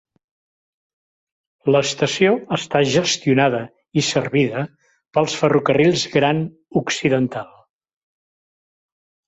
L'estació està gestionada i servida pels Ferrocarrils Gran Occidental.